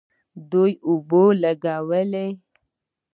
دوی اوبه لګولې.